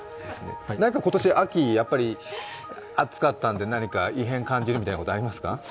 今年、秋やっぱり暑かったんで異変を感じるみたいなことありますか？